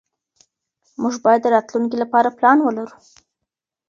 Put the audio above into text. موږ بايد د راتلونکي لپاره پلان ولرو.